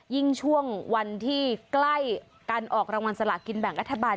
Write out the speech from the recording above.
ยิ่งช่วงวันที่ใกล้การออกรางวัลสลากินแบ่งรัฐบาล